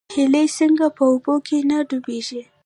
هیلۍ څنګه په اوبو کې نه ډوبیږي؟